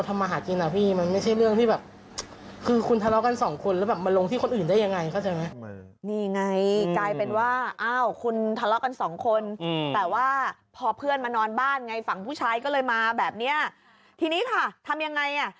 พอเพื่อนมานอนบ้านไงฝั่งผู้ชายก็เลยมาแบบเนี้ยทีนี้ค่ะทำยังไงอ่ะ